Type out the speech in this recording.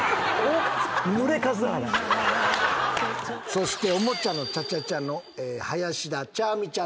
そして『おもちゃのチャチャチャ』の林田茶愛美ちゃん。